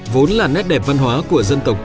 vốn là nét đẹp văn hóa